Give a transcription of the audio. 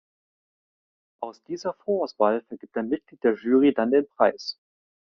Aus dieser Vorauswahl vergibt ein Mitglied der Jury dann den Preis.